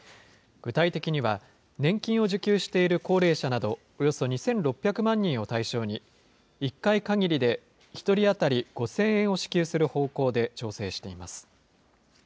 具体的には、年金を受給している高齢者など、およそ２６００万人を対象に、１回限りで、１人当たり５０００円を支給する方向で調整しています。